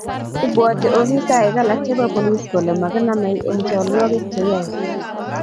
ibwoti ofisaek alak chebo polis kole makinomei eng' cholwokik cheyoei.